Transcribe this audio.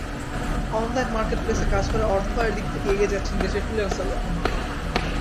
Online মার্কেটপ্লেসে কাজ করে অর্থ আয়ের দিক থেকে এগিয়ে যাচ্ছেন দেশের ফ্রিল্যান্সাররা।